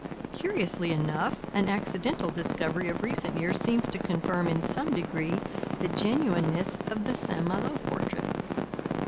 Curiously enough an accidental discovery of recent years seems to confirm in some degree the genuineness of the St Malo portrait.